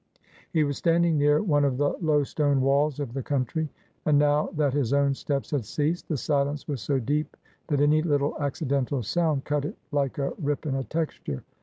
He was standing near one of the low stone walls of the country, and, now that his own steps had ceased, the silence was so deep that any little accidental sound cut it like a rip in a texture.